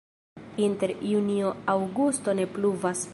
Inter junio-aŭgusto ne pluvas.